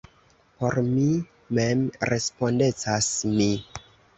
Por mi mem respondecas mi.